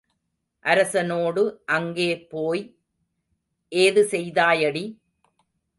அரசனோடு அங்கே போய் ஏது செய்தாயடி?